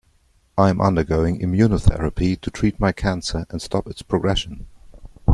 I am undergoing immunotherapy to treat my cancer and stop its progression.